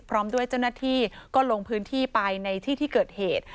พร้อมด้วยเจ้าหน้าที่ก็ลงพื้นที่ไปในที่ที่เกิดเหตุ